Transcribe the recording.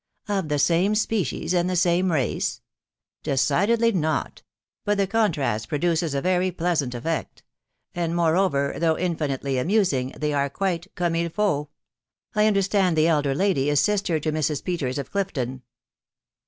•" Of the same species, and the same race?" " Decidedly not ; but the contrast produces a very pleasant effect; and, moreover, though infinitely amusing, they^are quite comme il faut. I understand the elder lady is sister to Mrs. Peters of Clifton."